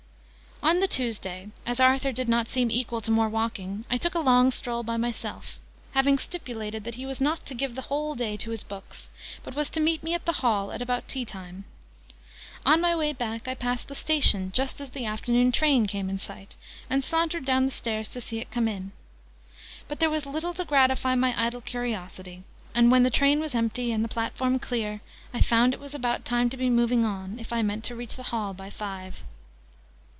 On the Tuesday, as Arthur did not seem equal to more walking, I took a long stroll by myself, having stipulated that he was not to give the whole day to his books, but was to meet me at the Hall at about tea time. On my way back, I passed the Station just as the afternoon train came in sight, and sauntered down the stairs to see it come in. But there was little to gratify my idle curiosity: and, when the train was empty, and the platform clear, I found it was about time to be moving on, if I meant to reach the Hall by five.